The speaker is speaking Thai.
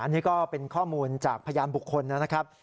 อันนี้ก็เป็นข้อมูลจากพยานบุคคลนะครับ